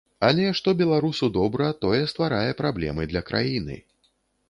Але што беларусу добра, тое стварае праблемы для краіны.